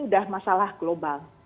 sudah masalah global